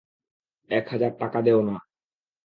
এক হাজার টাকা দেও না।